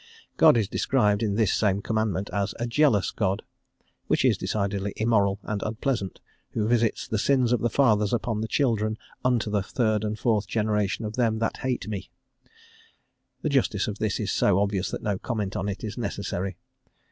God is described, in this same commandment as a "jealous God" which is decidedly immoral and unpleasant who visits "the sins of the fathers upon the children, unto the third and fourth generation of them that hate me;" the justice of this is so obvious that no comment on it is necessary.